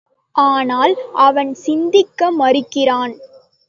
ஆனால் அவன் சிந்திக்க மறுக்கிறான்!